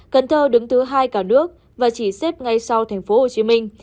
cần thơ đứng thứ hai cả nước và chỉ xếp ngay sau thành phố hồ chí minh